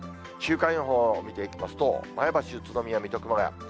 週間予報を見ていきますと、前橋、宇都宮、水戸、熊谷。